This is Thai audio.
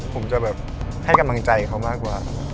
ผมจะแบบให้กำลังใจเขามากกว่า